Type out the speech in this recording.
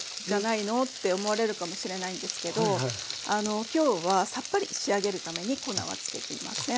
って思われるかもしれないんですけどきょうはさっぱり仕上げるために粉は付けていません。